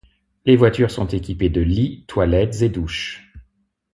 Les voitures sont équipées de lits, toilettes et douches.